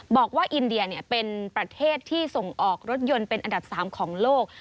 บอกว่าอินเดียเป็นประเทศที่ส่งออกรถยนต์เป็นอันดับ๓ของโลก